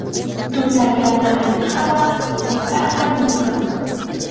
Tuta yana laqhanwan ayparqamusqa.